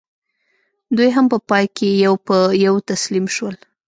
دوی هم په پای کې یو په یو تسلیم شول.